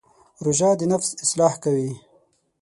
روژه د نفس اصلاح کوي.